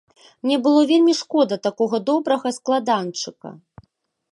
Мне было вельмі шкода такога добрага складанчыка.